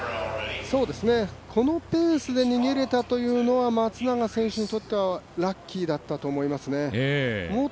このペースで逃げれたというのは松永選手にとってはラッキーだったと思いますね。